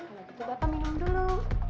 udah gitu bapak minum dulu